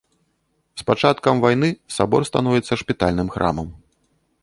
З пачаткам вайны сабор становіцца шпітальным храмам.